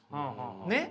ねっ？